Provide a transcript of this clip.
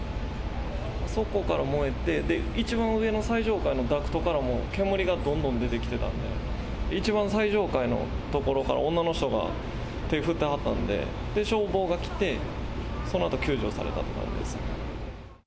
あそこから燃えて、一番上の最上階のダクトからも煙がどんどん出てきてたんで、一番最上階の所から女の人が手を振ってはったんで、消防が来て、そのあと、救助されたって感じです。